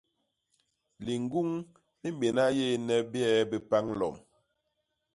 Liñguñ li mbéna yééne bie bi pañ lom.